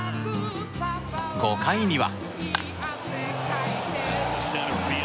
５回には。